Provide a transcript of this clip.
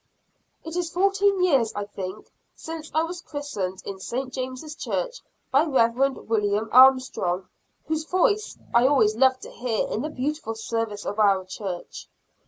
It is fourteen years, I think, since I was christened in St. James' Church, by Rev. William Armstrong, whose voice I always loved to hear in the beautiful service of our church.